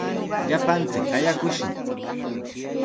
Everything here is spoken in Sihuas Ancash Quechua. Llapanchik qayakushun.